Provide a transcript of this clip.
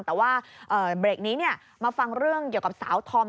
แต่ว่าเบรกนี้มาฟังเรื่องเกี่ยวกับสาวธอม